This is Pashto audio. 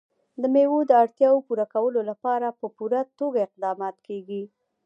د مېوو د اړتیاوو پوره کولو لپاره په پوره توګه اقدامات کېږي.